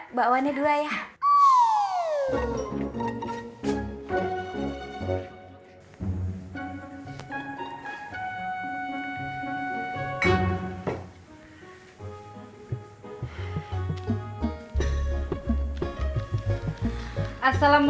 mengundur katherine di dalam kantor bang